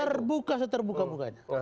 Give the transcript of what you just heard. terbuka seterbuka bukanya